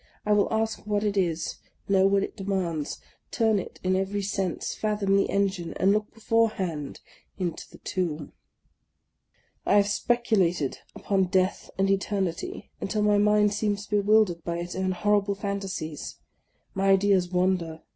I will ask what it is, know what it demands, turn it in every sense, fathom the enigma, and look before hand into the tomb. I have speculated upon Death and Eternity until my mind seems bewildered by its own horrible fantasies. My ideas wander.